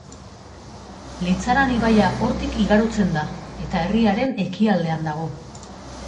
Leitzaran ibaia hortik igarotzen da, eta herriaren ekialdean dago.